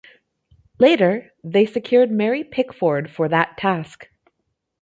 Later, they secured Mary Pickford for that task.